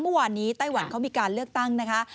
เมื่อวานนี้ไต้หวันเขามีการเลือกตั้งนะคะ